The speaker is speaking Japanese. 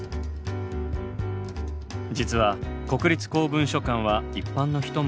実は国立公文書館は一般の人も利用が可能。